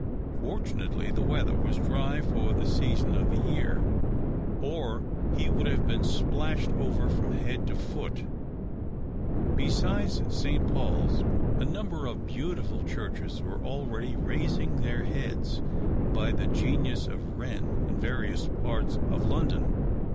Fortunately the weather was dry for the season of the year, or he would have been splashed over from head to foot. Besides Saint Paul's, a number of beautiful churches were already raising their heads by the genius of Wren in various parts of London.